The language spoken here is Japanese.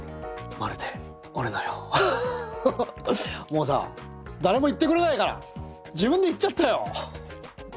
もうさ誰も言ってくれないから自分で言っちゃったよ！